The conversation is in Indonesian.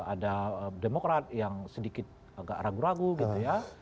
ada demokrat yang sedikit agak ragu ragu gitu ya